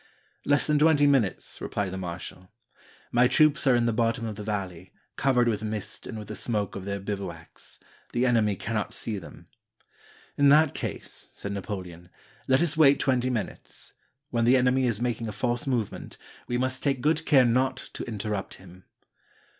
"Less than twenty minutes," replied the marshal. "My troops are in the bottom of the valley, covered with mist and with the smoke of their bivouacs. The enemy cannot see them." "In that case," said Napoleon, "let us wait twenty minutes. When the enemy is making a false movement, we must take good care not to interrupt him."